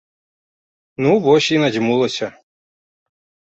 Ну вось і надзьмулася.